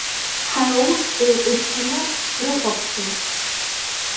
Ҳара урҭ еиҟәыҭханы ҳрыхәаԥшӡом…